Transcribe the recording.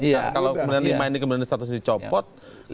kalau kemudian lima ini kemudian status dicopot